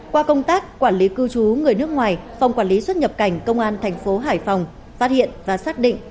qua công tác quản lý cư trú người nước ngoài phòng quản lý xuất nhập cảnh công an thành phố hải phòng phát hiện và xác định